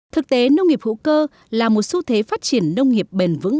thực tế nông nghiệp hữu cơ là một xu thế phát triển nông nghiệp bền vững